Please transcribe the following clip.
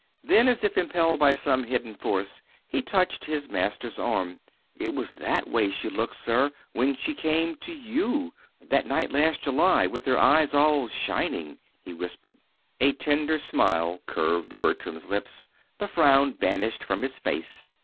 Then, as if impelled by some hidden force, he touched his master's arm. "It was that way she looked, sir, when she came to you that night last July with her eyes all shining," he whispered. A tender smile curved Bertram's lips. The frown vanished from his face.